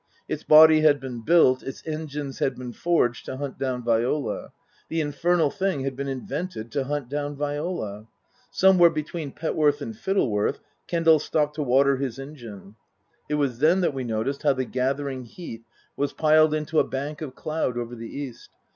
Its body had been built, its engines had been forged, to hunt down Viola. The infernal thing had been invented to hunt down Viola. .Somewhere between Petworth and Fittleworth Kendal stopped to water his engine. It was then that we noticed how the gathering heat was piled into a bank of cloud over the east.